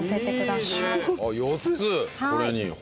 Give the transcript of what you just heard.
これに。